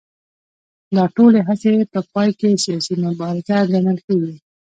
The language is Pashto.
دا ټولې هڅې په پای کې سیاسي مبارزه ګڼل کېږي